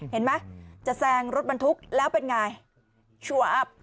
เห็นไหมจะแซงรถบรรทุกแล้วเป็นอย่างไร